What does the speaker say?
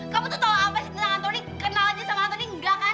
kamu tuh tau apa sih tentang antoni kenal aja sama antoni enggak kan